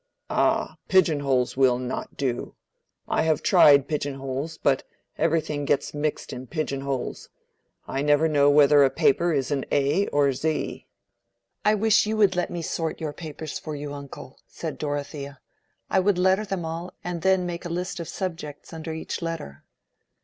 "Ah, pigeon holes will not do. I have tried pigeon holes, but everything gets mixed in pigeon holes: I never know whether a paper is in A or Z." "I wish you would let me sort your papers for you, uncle," said Dorothea. "I would letter them all, and then make a list of subjects under each letter."